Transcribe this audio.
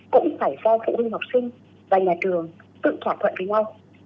cũng phải do phụ huynh học sinh và nhà trường tự thỏa thuận với nhau